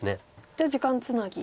じゃあ時間つなぎ。